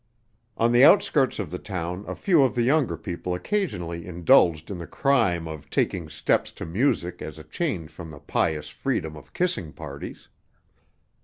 On the outskirts of the town a few of the younger people occasionally indulged in the crime of taking steps to music as a change from the pious freedom of kissing parties.